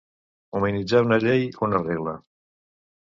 Humanitzar una llei, una regla.